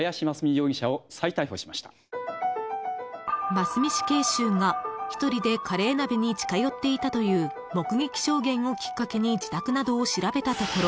［真須美死刑囚が一人でカレー鍋に近寄っていたという目撃証言をきっかけに自宅などを調べたところ］